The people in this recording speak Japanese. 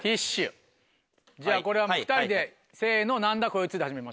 じゃあこれは２人で「せのなんだこいつ」で始めましょう。